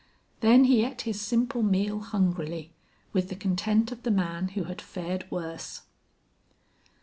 Then he ate his simple meal hungrily, with the content of the man who had fared worse.